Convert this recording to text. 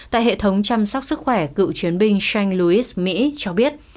tại hệ thống chăm sóc sức khỏe cựu chiến binh shane lewis mỹ cho biết